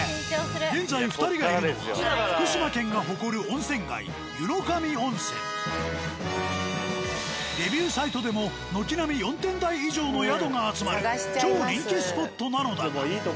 現在２人がいるのは福島県が誇る温泉街レビューサイトでも軒並み４点台以上の宿が集まる超人気スポットなのだが。